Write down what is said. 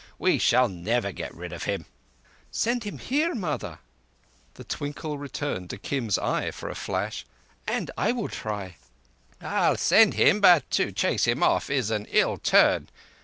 We shall never get rid of him." "Send him here, mother"—the twinkle returned to Kim's eye for a flash—"and I will try." "I'll send him, but to chase him off is an ill turn.